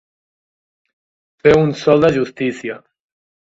Fer un sol de justícia.